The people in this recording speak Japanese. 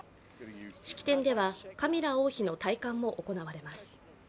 式典ではカミラ王妃の戴冠も行われます。